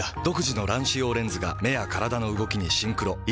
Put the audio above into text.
独自の乱視用レンズが目や体の動きにシンクロ。